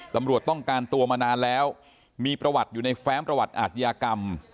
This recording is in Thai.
ตำรวจต้องการตัวมานานแล้วมีประวัติอยู่ในแฟ้มประวัติอาทยากรรม